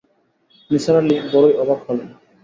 নিসার আলি বড়ই অবাক হলেন।